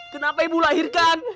kenapa ibu lahirkan